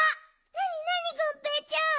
なになにがんぺーちゃん？